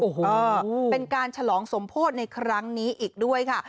โอ้โหเป็นการฉลองสมโพธิในครั้งนี้อีกด้วยค่ะ